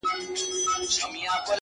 نه د چا په زړه کي رحم، نه زړه سوی وو -